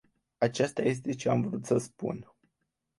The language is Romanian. Aceasta este ceea ce am vrut să spun.